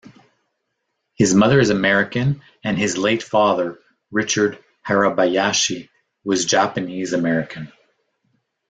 His mother is American and his late father, Richard Hirabayashi, was Japanese American.